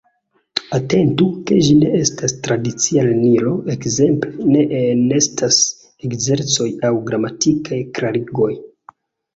Atentu, ke ĝi ne estas tradicia lernilo: ekzemple, ne enestas ekzercoj aŭ gramatikaj klarigoj.